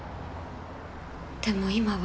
でも今は。